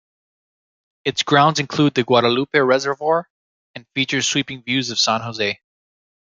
Its grounds include the Guadalupe Reservoir and features sweeping views of San Jose.